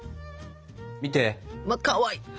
見て！わっかわいい！